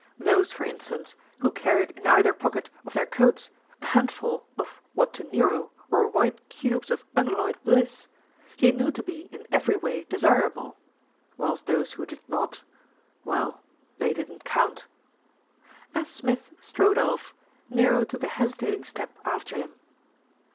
Those, for instance, who carried in either pocket of their coats a handful of what to Nero were white cubes of unalloyed bliss, he knew to be in every way desirable; whilst those who did not well, they didn't count. As Smith strode off, Nero took a hesitating step after him.